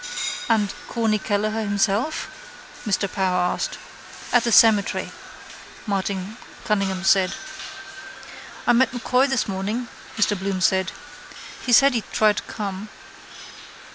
—And Corny Kelleher himself? Mr Power asked. —At the cemetery, Martin Cunningham said. —I met M'Coy this morning, Mr Bloom said. He said he'd try to come.